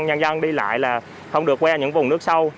nhân dân đi lại là không được qua những vùng nước sâu